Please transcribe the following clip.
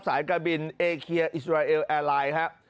สายการบินเอเคียอิสราเอลแอไลน์